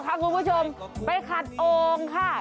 อ้ามาแล้วค่ะคุณผู้ชมไปขัดโอ้งค่ะ